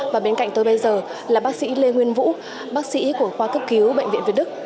và bên cạnh tôi bây giờ là bác sĩ lê nguyên vũ bác sĩ của khoa cấp cứu bệnh viện việt đức